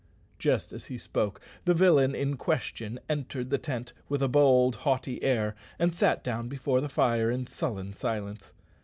Just as he spoke the villain in question entered the tent with a bold, haughty air, and sat down before the fire in sullen silence.